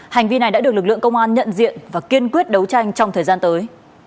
hành vi này đã được lực lượng công an nhận diện và kiên quyết đấu tranh trong thời gian tới